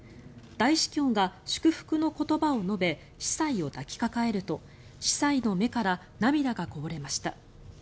大司教が祝福の言葉を述べ司祭を抱きかかえると司祭の目から涙がこぼれました。